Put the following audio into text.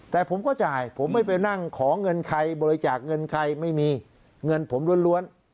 แต่ผมก็จ่ายผมไม่ไปนั่งขอเงินใครบริจาคเงินใครไม่มีเงินผมล้วน